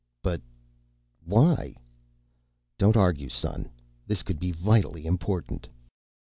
"But ... why—" "Don't argue, son. This could be vitally important."